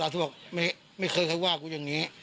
แล้วก็